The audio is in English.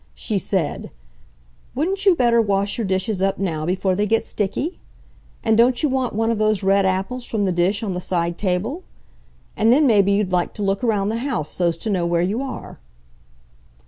She said: "Wouldn't you better wash your dishes up now before they get sticky? And don't you want one of those red apples from the dish on the side table? And then maybe you'd like to look around the house so's to know where you are."